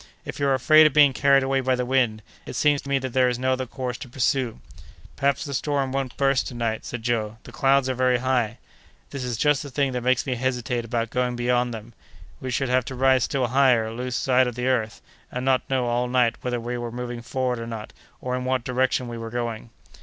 "If you are afraid of being carried away by the wind, it seems to me that there is no other course to pursue." "Perhaps the storm won't burst to night," said Joe; "the clouds are very high." "That is just the thing that makes me hesitate about going beyond them; we should have to rise still higher, lose sight of the earth, and not know all night whether we were moving forward or not, or in what direction we were going."